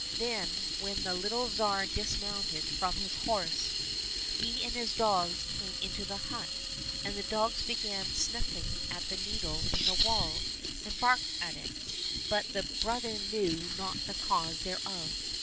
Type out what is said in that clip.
Then, when the little Tsar dismounted from his horse, he and his dogs came into the hut, and the dogs began snuffing at the needle in the wall and barked at it, but the brother knew not the cause thereof.